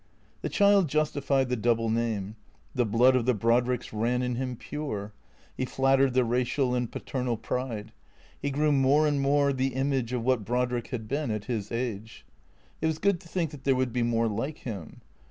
The child justified the double name. The blood of the Brod ricks ran in him pure. He flattered the racial and paternal pride. He grew more and more the image of what Brodrick had been at his age. It was good to think that there would be more like him.